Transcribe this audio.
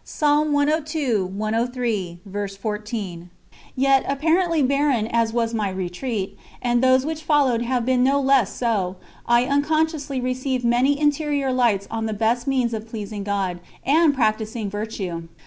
" Yet, apparently barren as was my retreat and those which followed have been no less so I unconsciously received many interior lights on the best means of pleasing God, and practising virtue.